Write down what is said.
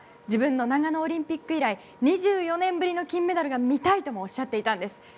自分の長野オリンピック以来２４年ぶりの金メダルが見たいともおっしゃっていたんです。